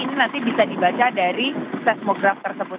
ini nanti bisa dibaca dari seismograf tersebut